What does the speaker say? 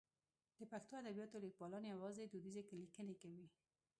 د پښتو ادبیاتو لیکوالان یوازې دودیزې لیکنې کوي.